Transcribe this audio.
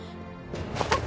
あっ！